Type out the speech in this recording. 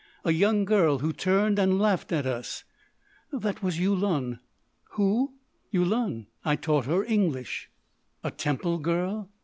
A young girl who turned and laughed at us—" "That was Yulun." "Who?" "Yulun. I taught her English." "A temple girl?"